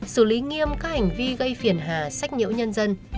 xử lý nghiêm các hành vi gây phiền hà sách nhiễu nhân dân